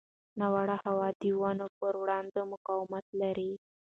ناوړه هوا د ونو پر وړاندې مقاومت لري.